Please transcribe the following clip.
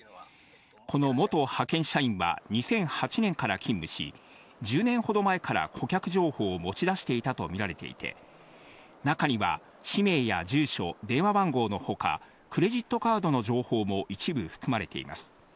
この元派遣社員は２００８年から勤務し、１０年ほど前から顧客情報を持ち出していたと見られていて、中には、氏名や住所、電話番号のほか、クレジットカードの情報も一部含まれています。